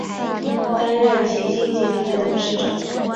担任齐星集团的董事长。